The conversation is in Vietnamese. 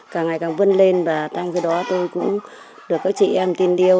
càng ngày càng vân lên và trong khi đó tôi cũng được các chị em tin điều